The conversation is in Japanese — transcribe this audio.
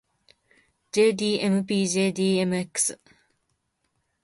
jdmpjdmx